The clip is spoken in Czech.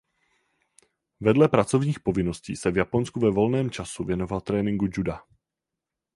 Vedle pracovních povinností se v Japonsku ve volném času věnoval tréninku juda.